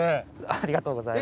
ありがとうございます。